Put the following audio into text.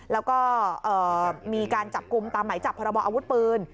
แล้วก็มีการจับกลุ่มตามหมายจับพรบออาวุธปืน